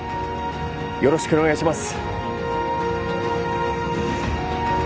よろしくお願いします。